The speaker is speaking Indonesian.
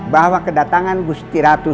bahwa kedatangan gusti ratu